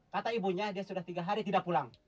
kata ibunya dia sudah tiga hari tidak pulang